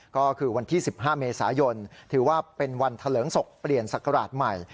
ก็คือวันที่๑๕เมษายนถือว่าเป็นวันเถลิงศพเปลี่ยนศักราชใหม่